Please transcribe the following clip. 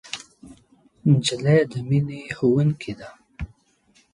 نجلۍ د مینې ښوونکې ده.